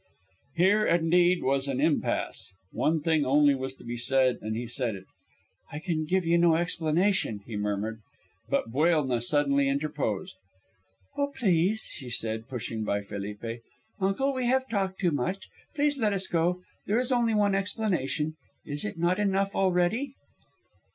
Here, indeed, was an impasse. One thing only was to be said, and he said it. "I can give you no explanation," he murmured. But Buelna suddenly interposed. "Oh, please," she said, pushing by Felipe, "uncle, we have talked too long. Please let us go. There is only one explanation. Is it not enough already?"